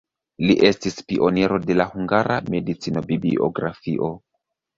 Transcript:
Li estis pioniro de la hungara medicino-bibliografio.